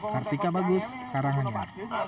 kartika bagus karang hanya